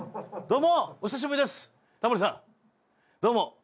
どうも！